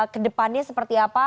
ke depannya seperti apa